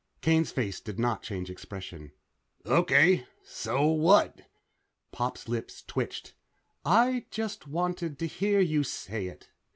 Kane's face did not change expression. "Okay. So what?" Pop's lips twitched. "I just wanted to hear you say it."